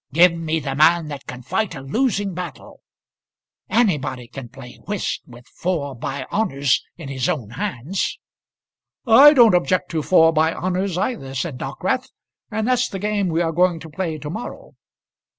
Give me the man that can fight a losing battle. Anybody can play whist with four by honours in his own hands." "I don't object to four by honours either," said Dockwrath; "and that's the game we are going to play to morrow."